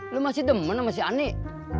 lo masih demen sama si anik